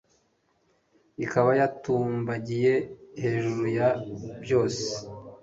ikaba yatumbagiye hejuru ya byose